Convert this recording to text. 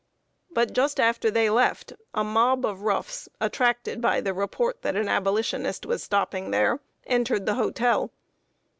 But, just after they left, a mob of Roughs, attracted by the report that an Abolitionist was stopping there, entered the hotel.